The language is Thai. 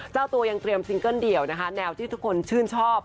เจ้าตัวยังเตรียมซิงเกิ้ลเดี่ยวนะคะแนวที่ทุกคนชื่นชอบ